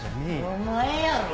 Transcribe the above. お前やろ？